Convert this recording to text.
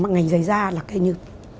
ngành giày da là cái như